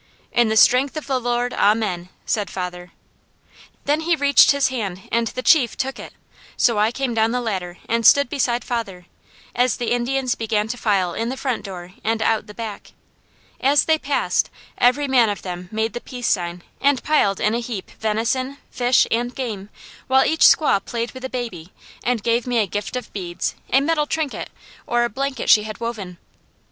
"'In the strength of the Lord. Amen!' said father. "Then he reached his hand and the chief took it, so I came down the ladder and stood beside father, as the Indians began to file in the front door and out the back. As they passed, every man of them made the peace sign and piled in a heap, venison, fish, and game, while each squaw played with the baby and gave me a gift of beads, a metal trinket, or a blanket she had woven.